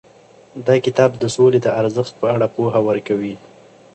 دا کتاب د سولې د ارزښت په اړه پوهه ورکوي.